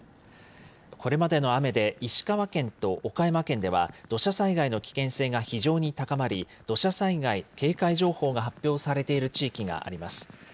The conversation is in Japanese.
これまでの雨で、石川県と岡山県では土砂災害の危険性が非常に高まり、土砂災害警戒情報が発表されている地域があります。